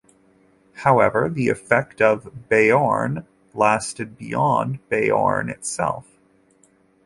However, the effect of "Boerne" lasted beyond "Boerne" itself.